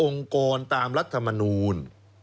องค์กรตามรัฐมนูญ